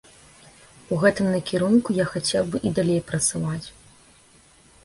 У гэтым накірунку я хацеў бы і далей працаваць.